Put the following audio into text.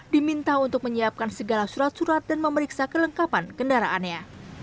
diminta untuk menyiapkan segala surat surat dan memeriksa kelengkapan kendaraannya